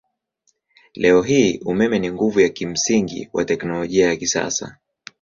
Leo hii umeme ni nguvu ya kimsingi wa teknolojia ya kisasa.